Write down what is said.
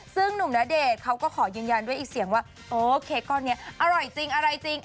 ซึ่งหนุ่มณเดชน์เขาก็ขอยืนยันด้วยอีกเสียงว่าโอ้เค้กก้อนนี้อร่อยจริงอะไรจริง